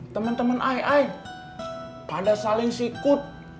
temen temen ai ai pada saling sikut